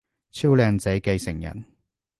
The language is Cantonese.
超靚仔繼承人